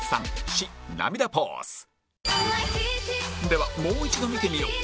ではもう一度見てみよう